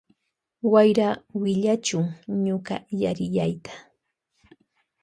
Wayra willachun ñuka yariyayta.